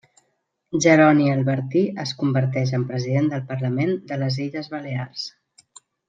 Jeroni Albertí es converteix en President del Parlament de les Illes Balears.